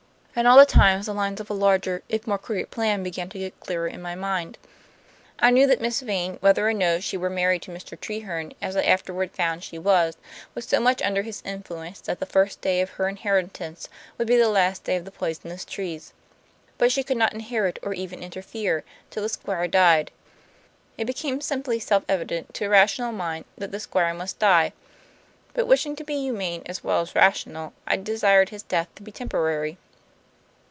And all the time the lines of a larger, if more crooked plan, began to get clearer in my mind. I knew that Miss Vane, whether or no she were married to Mr. Treherne, as I afterward found she was, was so much under his influence that the first day of her inheritance would be the last day of the poisonous trees. But she could not inherit, or even interfere, till the Squire died. It became simply self evident, to a rational mind, that the Squire must die. But wishing to be humane as well as rational, I desired his death to be temporary.